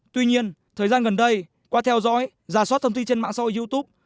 tuy nhiên thời gian gần đây qua theo dõi giả soát thông tin trên mạng so với youtube